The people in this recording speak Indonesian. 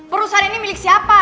perusahaan ini milik siapa